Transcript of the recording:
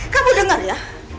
kamu dengar ya